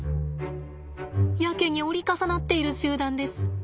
やけに折り重なっている集団です。